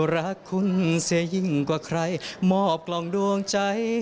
รักคุณเสียยิ่งกว่าใครมอบกล่องดวงใจ